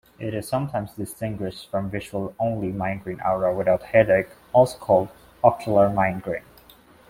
It is sometimes distinguished from visual-only migraine aura without headache, also called ocular migraine.